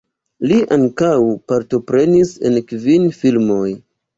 Li ankaŭ partoprenis en kvin filmoj.